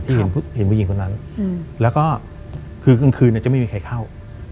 เห็นผู้หญิงคนนั้นแล้วก็คือกลางคืนจะไม่มีใครเข้า